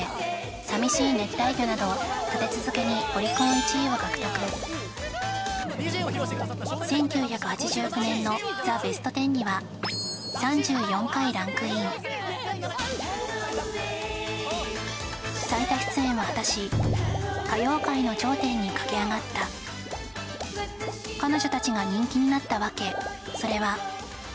「淋しい熱帯魚」など立て続けにオリコン１位を獲得１９８９年の「ザ・ベストテン」にはＨｅａｒｔｏｎｗａｖｅ最多出演を果たし歌謡界の頂点に駆け上がった彼女たちが人気になったわけそれは笑わないこと